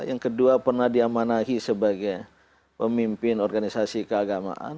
yang kedua pernah diamanahi sebagai pemimpin organisasi keagamaan